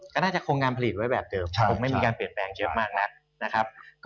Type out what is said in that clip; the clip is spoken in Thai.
ก็น่าจะโครงการผลิตไว้แบบเดิมคงไม่มีการเปลี่ยนแปลงเยอะมากนักนะครับ